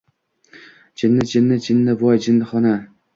— Jinni, jinni! Jinnini joyi — jinnixona!